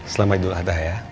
selamat tidur ada ya